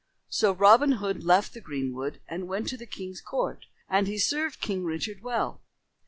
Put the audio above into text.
So Robin Hood left the greenwood and went to the king's court and he served King Richard well.